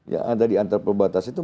yang ada di antar perbatasan itu